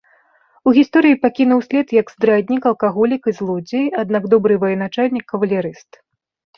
У гісторыі пакінуў след як здраднік, алкаголік і злодзей, аднак добры военачальнік-кавалерыст.